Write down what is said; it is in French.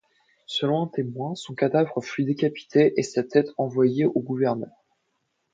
Selon un témoin, son cadavre fut décapité et sa tête envoyée au gouverneur.